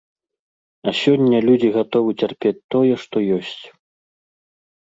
А сёння людзі гатовы цярпець тое, што ёсць.